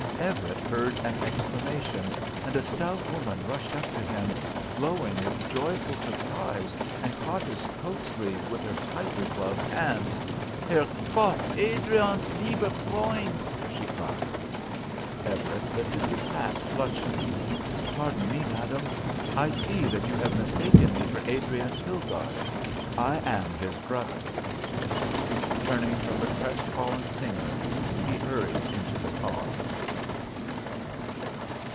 Everett heard an exclamation, and a stout woman rushed up to him, glowing with joyful surprise and caught his coat sleeve with her tightly gloved hands. "Herr Gott, Adriance, lieber Freund," she cried. Everett lifted his hat, blushing. "Pardon me, madame, I see that you have mistaken me for Adriance Hilgarde. I am his brother." Turning from the crestfallen singer he hurried into the car.